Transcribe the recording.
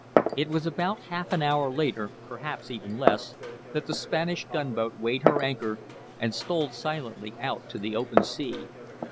It was about half an hour later, perhaps even less, that that Spanish gunboat weighed her anchor and stole silently out to the open sea.